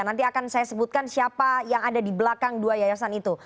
nanti akan saya sebutkan siapa yang ada di belakang dua yayasan itu